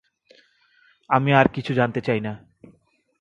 আমি আর কিছু জানিতে চাই না।